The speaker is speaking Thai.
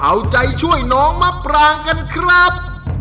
เอาใจช่วยน้องมะปรางกันครับ